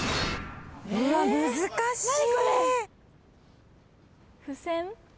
うわ難しい。